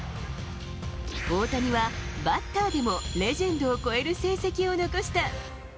大谷は、バッターでもレジェンドを超える成績を残した。